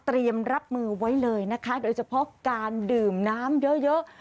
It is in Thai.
เตรียมรับมือไว้เลยนะคะโดยเฉพาะการดื่มน้ำเยอะ